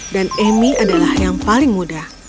dan amy adalah yang paling muda